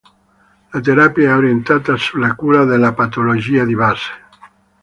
La terapia è orientata sulla cura della patologia di base.